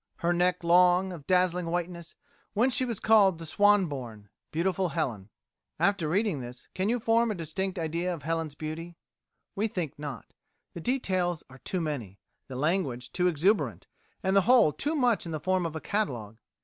Her neck long, of dazzling whiteness, whence she was called the swan born, beautiful Helen." After reading this can you form a distinct idea of Helen's beauty? We think not. The details are too many, the language too exuberant, and the whole too much in the form of a catalogue.